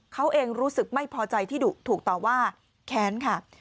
เขาเองรู้สึกไม่พอใจที่ถูกต่อว่าแค้นค่ะ